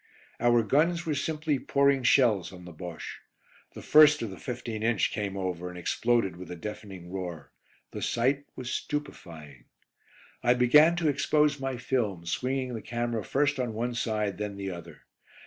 Our guns were simply pouring shells on the Bosche. The first of the 15 inch came over and exploded with a deafening roar. The sight was stupefying. I began to expose my film, swinging the camera first on one side then the other.